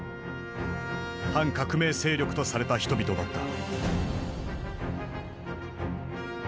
反革命勢力とされた人々だった。